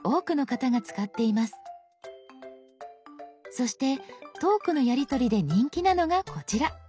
そしてトークのやりとりで人気なのがこちら。